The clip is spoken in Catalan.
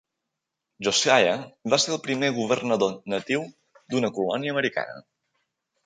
Josiah va ser el primer governador natiu d'una colònia americana.